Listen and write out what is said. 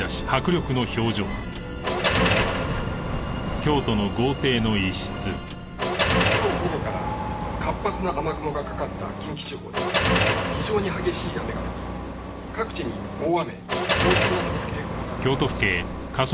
『罪と罰』「今日午後から活発な雨雲がかかった近畿地方では非常に激しい雨が降り各地に大雨洪水などの警報が出されました」